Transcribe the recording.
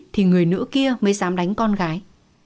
thì người nữ kia mới dám đánh con gái